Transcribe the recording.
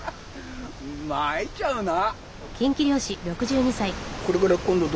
まいっちゃうな。